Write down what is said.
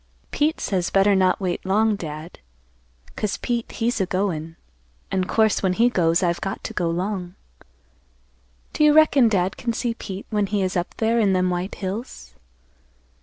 "Pete says better not wait long, Dad; 'cause Pete he's a goin' an' course when he goes I've got to go 'long. Do you reckon Dad can see Pete when he is up there in them white hills?